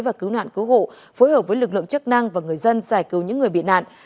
và cứu nạn cứu hộ phối hợp với lực lượng chức năng và người dân giải cứu những người bị nạn